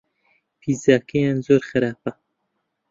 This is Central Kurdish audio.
پیتزاکەیان زۆر خراپە.